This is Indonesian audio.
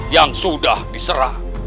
yang sudah diserah